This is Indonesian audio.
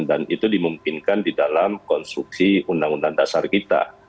dan itu dimungkinkan di dalam konstruksi undang undang dasar kita